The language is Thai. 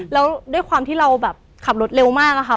แล้วด้วยความที่เราแบบขับรถเร็วมากอะค่ะ